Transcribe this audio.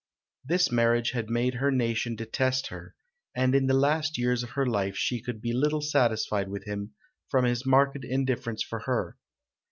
This marriage had made her nation detest her, and in the last years of her life she could be little satisfied with him, from his marked indifference for her.